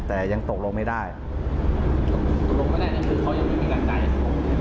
แต่ยังตกลงไม่ได้ตกลงไม่ได้ก็คือเขายังไม่มีการจ่าย